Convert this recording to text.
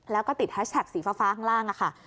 แล้วก็ติดแฮชแท็กสีฟ้าข้างล่างค่ะ